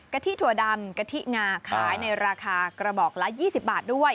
ที่ถั่วดำกะทิงาขายในราคากระบอกละ๒๐บาทด้วย